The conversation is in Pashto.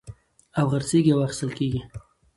او خرڅېږي او اخيستل کېږي.